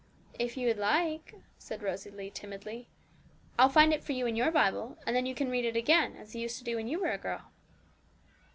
'If you would like,' said Rosalie timidly, 'I'll find it for you in your Bible, and then you can read it again, as you used to do when you were a girl.'